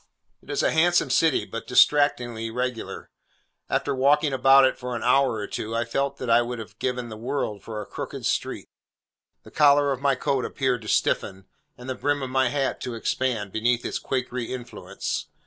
It is a handsome city, but distractingly regular. After walking about it for an hour or two, I felt that I would have given the world for a crooked street. The collar of my coat appeared to stiffen, and the brim of my hat to expand, beneath its quakery influence.